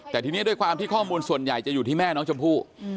แต่ทีนี้ด้วยความที่ข้อมูลส่วนใหญ่จะอยู่ที่แม่น้องชมพู่